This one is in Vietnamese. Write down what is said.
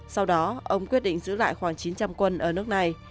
sau đó ông quyết định giữ lại khoảng chín trăm linh quân ở nước này